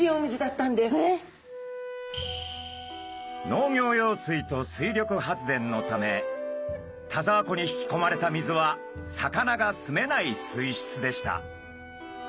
農業用水と水力発電のため田沢湖に引きこまれた水は魚がすめない水質でした。